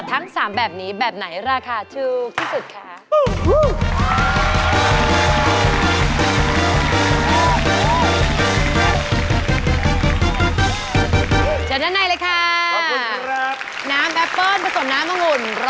อันนี้เขาเรียกว่าน้ำมะม่วง